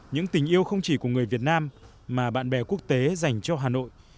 những tình yêu không chỉ của người việt nam mà bạn bè quốc tế dành cho hà nội